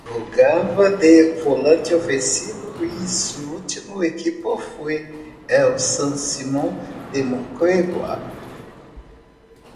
Jugaba de volante ofensivo y su último equipo fue el San Simón de Moquegua.